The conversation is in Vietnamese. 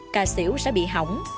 cà xỉu sẽ bị hỏng